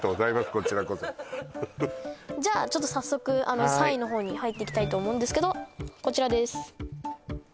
こちらこそじゃあちょっと早速３位のほうに入っていきたいと思うんですけどこちらです